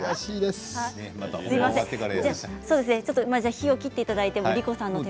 火を切っていただいて。